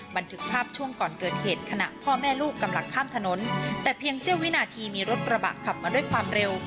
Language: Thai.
บันทึกภาพช่วงก่อนเกิดเหตุขณะพ่อแม่ลูกกำลังข้ามถนนแต่เพียงเสี้ยววินาทีมีรถกระบะขับมาด้วยความเร็ว